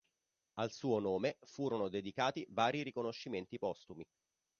Al suo nome furono dedicati vari riconoscimenti postumi.